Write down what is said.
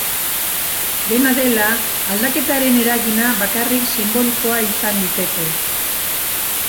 Dena dela, aldaketaren eragina bakarrik sinbolikoa izan liteke.